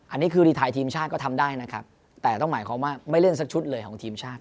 อันนี้คือรีไทยทีมชาติก็ทำได้นะครับแต่ต้องหมายความว่าไม่เล่นสักชุดเลยของทีมชาติ